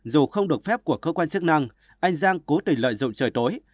dù không được phép của cơ quan chức năng anh giang cố tình lợi dụng trời tối